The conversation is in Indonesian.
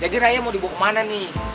jadi raya mau dibawa kemana nih